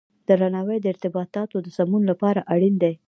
درناوی د ارتباطاتو د سمون لپاره اړین دی.